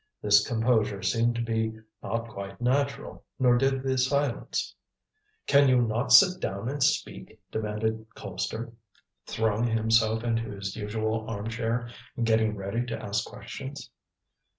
This composure seemed to be not quite natural, nor did the silence. "Can you not sit down and speak?" demanded Colpster, throwing himself into his usual arm chair and getting ready to ask questions.